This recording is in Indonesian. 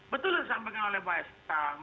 betul disampaikan oleh pak istan